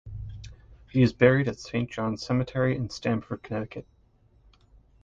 He is buried at Saint John's Cemetery in Stamford, Connecticut.